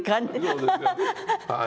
そうですかはい。